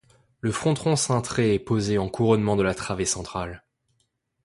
Le fronton cintré est posé en couronnement de la travée centrale.